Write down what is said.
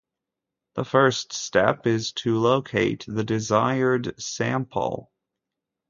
The first step is to locate the desired sample.